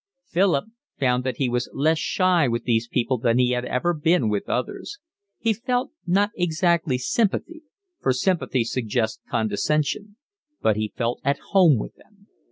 Philip found that he was less shy with these people than he had ever been with others; he felt not exactly sympathy, for sympathy suggests condescension; but he felt at home with them.